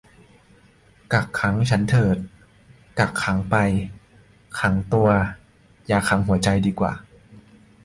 กักขังฉันเถิดกักขังไป ขังตัวอย่าขังหัวใจดีกว่า